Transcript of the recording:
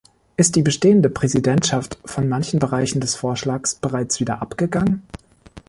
Ist die bestehende Präsidentschaft von manchen Bereichen des Vorschlags bereits wieder abgegangen?